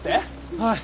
はい。